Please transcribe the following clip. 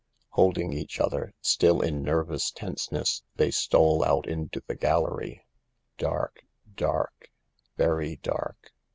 Holding each other, still in nervous tenseness, they stole out into the gallery ^dark, dark, very dark.